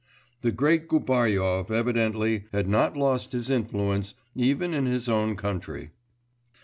The great Gubaryov, evidently, had not lost his influence even in his own country.